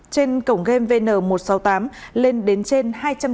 trên cổng game vn một trăm sáu mươi tám lên đến trên